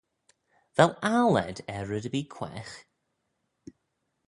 Vel aggle ayd er red erbee quaagh?